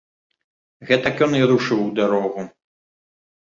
Гэтак ён і рушыў у дарогу.